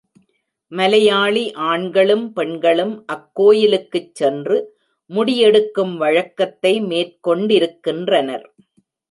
மலையாளி ஆண்களும், பெண்களும் அக் கோயிலுக்குச் சென்று முடி எடுக்கும் வழக்கத்தை மேற்கொண்டிருக்கின்றனர்.